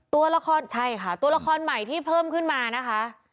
ตัวละครใช่ค่ะตัวละครใหม่ที่เพิ่มขึ้นมานะคะ